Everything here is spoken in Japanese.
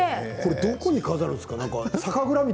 これどこに飾るんですか？